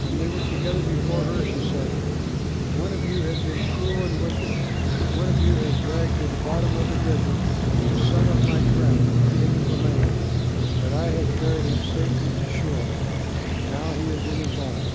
When they were together before her, she said, "One of you has been cruel and wicked. One of you has dragged to the bottom of the river the son of my friend, the king of the land, but I have carried him safely to shore, and now he is in his home.